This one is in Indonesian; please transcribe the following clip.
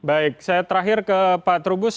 baik saya terakhir ke pak trubus